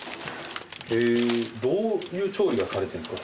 へぇどういう調理がされてるんですか？